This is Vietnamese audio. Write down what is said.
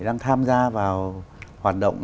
đang tham gia vào hoạt động